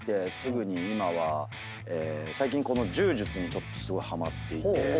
最近この柔術にすごいハマっていて。